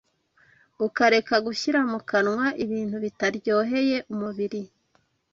ukareka gushyira mu kanwa ibintu bitaryoheye umubiri